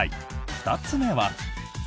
２つ目は。